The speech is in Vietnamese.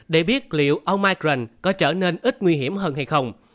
để biết liệu omicron có trở nên ít nguy hiểm hơn hay không